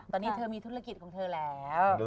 ตอนนี้เธอมีธุรกิจของเธอแล้ว